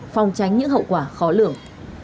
phòng tránh những hậu quả khó lượng